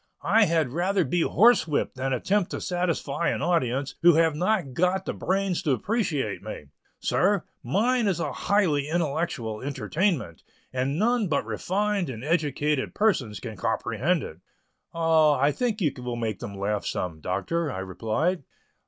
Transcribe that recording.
I had rather be horse whipped than attempt to satisfy an audience who have not got the brains to appreciate me. Sir, mine is a highly intellectual entertainment, and none but refined and educated persons can comprehend it." "Oh, I think you will make them laugh some, Doctor," I replied.